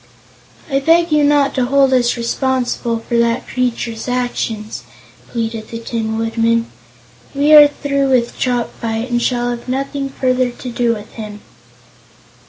"I beg you not to hold us responsible for that creature's actions," pleaded the Tin Woodman. "We are through with Chopfyt and shall have nothing further to do with him."